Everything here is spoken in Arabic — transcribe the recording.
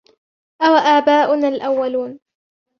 أوآباؤنا الأولون